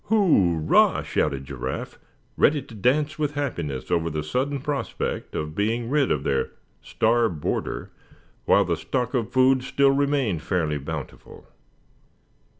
"Hurrah!" shouted Giraffe, ready to dance with happiness over the sudden prospect of being rid of their "star boarder," while the stock of food still remained fairly bountiful.